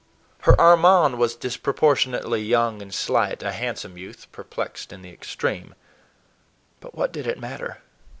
Her Armand was disproportionately young and slight, a handsome youth, perplexed in the extreme. But what did it matter?